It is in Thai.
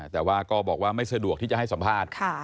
แต่ว่าก็บอกว่าไม่สะดวกที่จะให้สัมภาษณ์